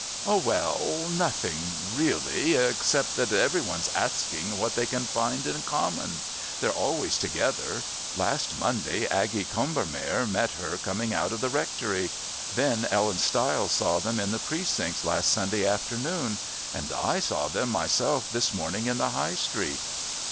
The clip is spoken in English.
"Oh well nothing really, except that every one's asking what they can find in common. They're always together. Last Monday Aggie Combermere met her coming out of the Rectory, then Ellen Stiles saw them in the Precincts last Sunday afternoon, and I saw them myself this morning in the High Street."